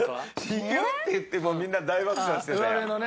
「親友？」って言ってみんな大爆笑してたよ。